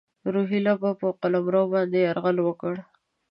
روهیله به پر قلمرو باندي یرغل وکړي.